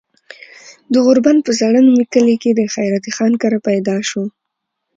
د غوربند پۀ زړه نومي کلي د خېراتي خان کره پيدا شو